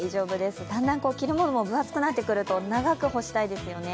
だんだん着るものも分厚くなってくると長く干したいですよね。